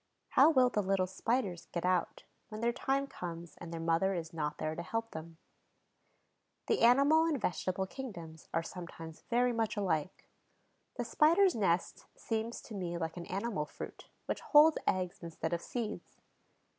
How will the little Spiders get out, when their time comes and their mother is not there to help them? The animal and vegetable kingdoms are sometimes very much alike. The Spider's nest seems to me like an animal fruit, which holds eggs instead of seeds.